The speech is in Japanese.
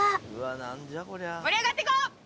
盛り上がってこう！